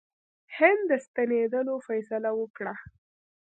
هغه د ستنېدلو فیصله وکړه.